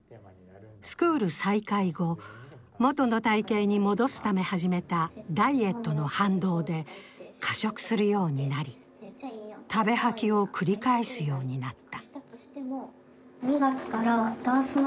スクール再開後、元の体形に戻すため始めたダイエットの反動で過食するようになり、食べ吐きを繰り返すようになった。